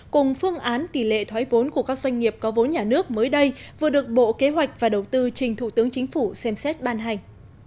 cùng phương án tỷ lệ thoái vốn của các doanh nghiệp có vốn nhà nước mới đây vừa được bộ kế hoạch và đầu tư trình thủ tướng chính phủ xem xét ban hành